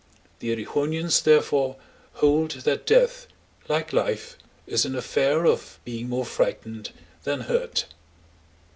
The Erewhonians, therefore, hold that death, like life, is an affair of being more frightened than hurt.